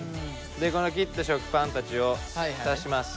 でこの切った食パンたちを浸します。